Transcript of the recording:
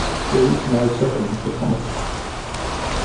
There is no settlement upon it.